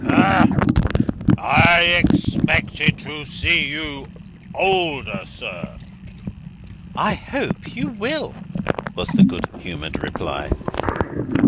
"Hah! I expected to see you older, sir." "I hope you will," was the good humoured reply.